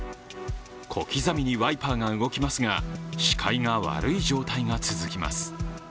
小刻みにワイパーが動きますが視界が悪い状態が続きます。